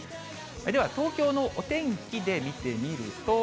では東京のお天気で見てみると。